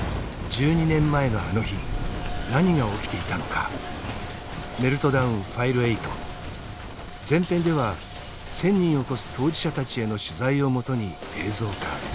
１２年前のあの日何が起きていたのか「メルトダウンＦｉｌｅ８前編」では１，０００人を超す当事者たちへの取材をもとに映像化。